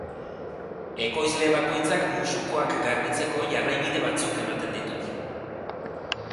Ekoizle bakoitzak musukoak garbitzeko jarraibide batzuk ematen ditu.